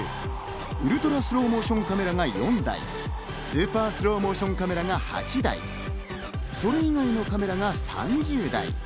ウルトラスローモーションカメラが４台、スーパースローモーションカメラが８台、それ以外のカメラが３０台。